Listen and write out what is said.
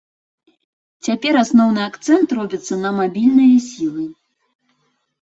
Цяпер асноўны акцэнт робіцца на мабільныя сілы.